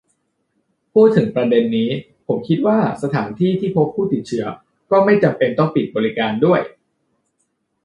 พูดถึงประเด็นนี้ ผมคิดว่าสถานที่ที่พบผู้ติดเชื้อก็ไม่จำเป็นต้องปิดบริการด้วย